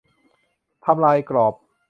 ทำลายกรอบ